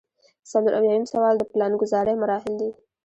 څلور اویایم سوال د پلانګذارۍ مراحل دي.